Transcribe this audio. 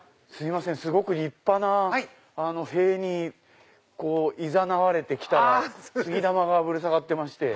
すごく立派な塀にいざなわれて来たら杉玉がぶら下がってまして。